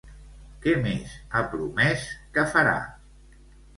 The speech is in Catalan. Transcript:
Què més ha promès que farà?